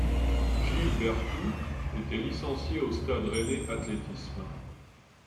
Gilles Bertould était licencié au Stade rennais athlétisme.